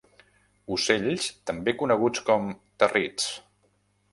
Ocells també coneguts com territs.